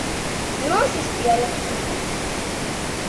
No asistió a la escuela.